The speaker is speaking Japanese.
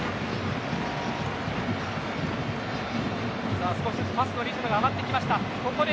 さあ少しパスのリズムが上がってきました。